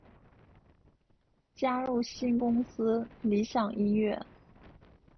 加入新公司理响音乐。